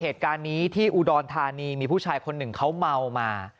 เหตุการณ์นี้ที่อุดรธานีมีผู้ชายคนหนึ่งเขาเมามา